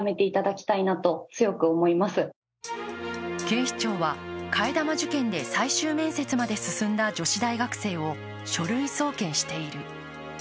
警視庁は、替え玉受検で最終面接まで進んだ女子大学生を書類送検している。